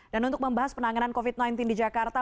dan untuk membahas penanganan covid sembilan belas di jakarta